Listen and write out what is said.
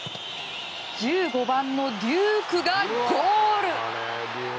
１５番のデュークがゴール！